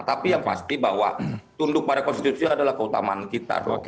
tapi yang pasti bahwa tunduk pada konstitusi adalah keutamaan kita